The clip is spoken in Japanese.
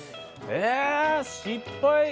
えー失敗。